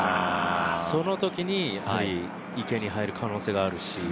そのときに池に入る可能性があるし。